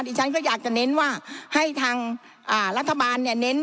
ดิฉันก็อยากจะเน้นว่าให้ทางรัฐบาลเนี่ยเน้น